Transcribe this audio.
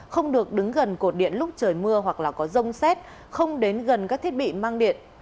không được đứng gần cột điện lúc trời mưa hoặc là có rông xét không đến gần các thiết bị mang điện